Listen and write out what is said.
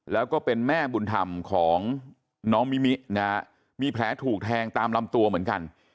แล้วก็เป็นแม่บุญธรรมของน้องมิมินะฮะมีแผลถูกแทงตามลำตัวเหมือนกัน